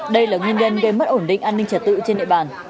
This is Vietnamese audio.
đây là nguyên nhân gây mất ổn định an ninh trật tự trên địa bàn